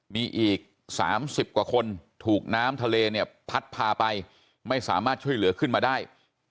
มีอีก๓๐กว่าคนถูกน้ำทะเลเนี่ยพัดพาไปไม่สามารถช่วยเหลือขึ้นมาได้